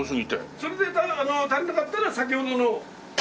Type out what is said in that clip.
それで足りなかったら先ほどの。